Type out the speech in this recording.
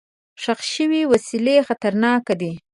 ښخ شوي وسلې خطرناکې دي.